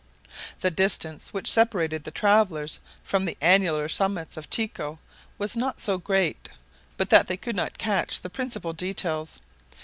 The distance which separated the travelers from the annular summits of Tycho was not so great but that they could catch the principal details.